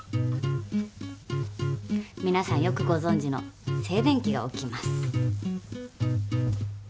皆さんよくご存じの静電気が起きます。